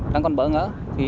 đang còn bỡ ngỡ